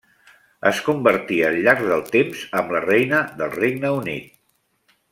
Es convertí al llarg del temps amb la reina del Regne Unit.